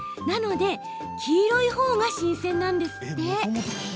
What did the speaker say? なので黄色いほうが新鮮なんですよ。